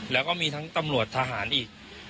แล้วก็มีทั้งตำรวจทหารอีก